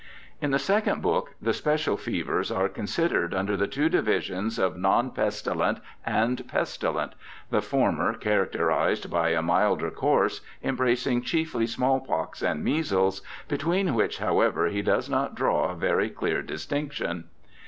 In the second book the special fevers are con sidered under the two divisions of non pestilent and pestilent, the former, characterized by a milder course, embracing chiefly small pox and measles, between which, however, he does not draw a very clear distinc tion.